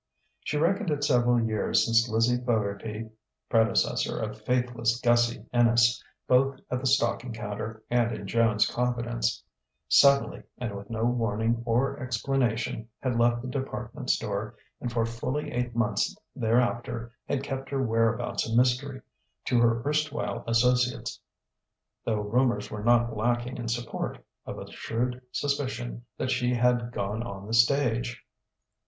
She reckoned it several years since Lizzie Fogarty (predecessor of faithless Gussie Inness, both at the stocking counter and in Joan's confidence) suddenly, and with no warning or explanation, had left the department store and for fully eight months thereafter had kept her where abouts a mystery to her erstwhile associates though rumours were not lacking in support of a shrewd suspicion that she had "gone on the stage."